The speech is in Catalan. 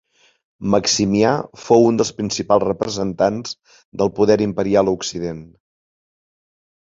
Maximià fou un dels principals representants del poder imperial a Occident.